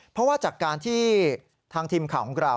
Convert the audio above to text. เพราะว่าจากการที่ทางทีมข่าวของเรา